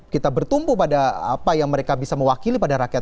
kita bertumpu pada apa yang mereka bisa mewakili pada rakyat